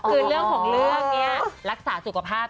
คือเรื่องของเรื่องนี้รักษาสุขภาพ